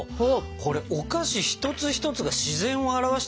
これお菓子一つ一つが自然を表してるんだね。